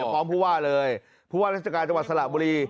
พร้อมผู้ว่าเลยผู้ว่าราชการจังหวัดสระบุรี